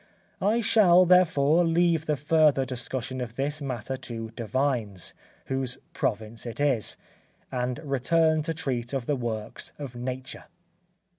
I shall, therefore, leave the further discussion of this matter to divines, whose province it is, and return to treat of the works of nature.